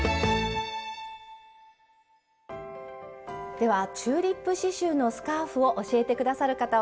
では「チューリップ刺しゅうのスカーフ」を教えて下さる方をご紹介しましょう。